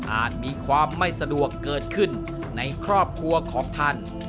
มีความไม่สะดวกเกิดขึ้นในครอบครัวของท่าน